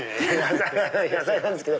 野菜なんですけど。